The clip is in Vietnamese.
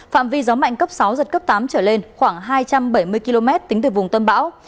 phạm vi gió mạnh cấp sáu giật cấp tám trở lên khoảng hai trăm bảy mươi km tính từ vùng tâm bão